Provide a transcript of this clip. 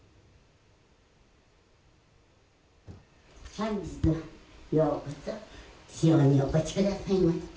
本日はようこそシオンにお越しくださいました